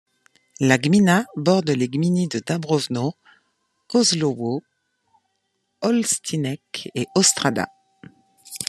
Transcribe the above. La gmina borde les gminy de Dąbrówno, Kozłowo, Olsztynek et Ostróda.